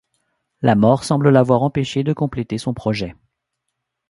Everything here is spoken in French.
La mort semble l’avoir empêché de compléter son projet.